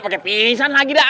paket pingsan lagi dah